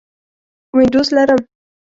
وینډوز لرم